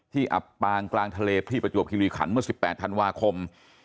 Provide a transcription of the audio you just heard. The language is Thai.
อับปางกลางทะเลที่ประจวบคิริขันเมื่อ๑๘ธันวาคม